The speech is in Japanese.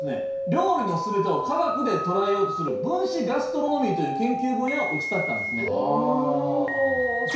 料理の全てを科学で捉えようとする分子ガストロノミーという研究分野を打ち立てたんですね。